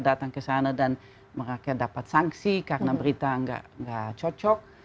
mereka datang kesana dan mereka dapat sanksi karena berita nggak cocok